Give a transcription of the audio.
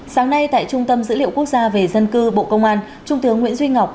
sáng nay tại trung tâm dữ liệu quốc gia về dân cư bộ công an trung tướng nguyễn duy ngọc